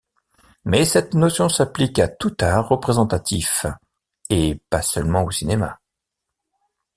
Mais cette notion s'applique à tout art représentatif et pas seulement au cinéma.